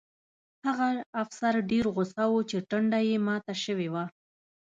هغه افسر ډېر غوسه و چې ټنډه یې ماته شوې وه